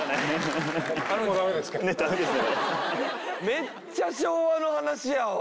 めっちゃ昭和の話やわ。